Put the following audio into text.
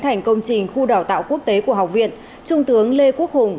thành công trình khu đào tạo quốc tế của học viện trung tướng lê quốc hùng